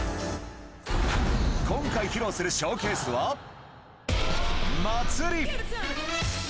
今回披露するショーケースは、祭り。